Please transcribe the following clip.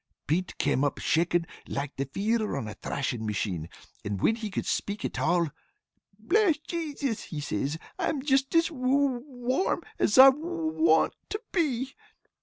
Pete came up shakin' like the feeder on a thrashin' machine, and whin he could spake at all, 'Bless Jasus,' says he, 'I'm jist as wa wa warm as I wa wa want to be.'